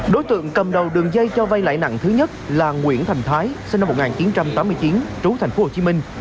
đối tượng cầm đầu đường dây cho vay lãi nặng thứ nhất là nguyễn thành thái sinh năm một nghìn chín trăm tám mươi chín trú thành phố hồ chí minh